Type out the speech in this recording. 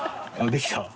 できた？